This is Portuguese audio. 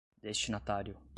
destinatário